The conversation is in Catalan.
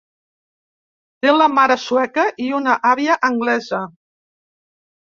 Té la mare sueca i una àvia anglesa.